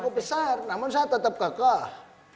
cukup besar namun saya tetap gagah